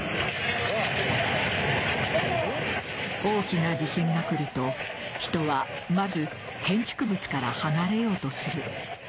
大きな地震が来ると、人はまず建築物から離れようとする。